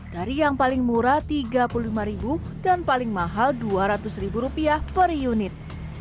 dari yang paling murah rp tiga puluh lima dan paling mahal rp dua ratus per unit